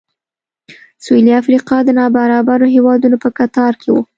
سوېلي افریقا د نابرابرو هېوادونو په کتار کې و.